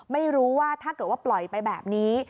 ไม่รู้ว่าถ้าเกิดว่าปล่อยไปแบบนี้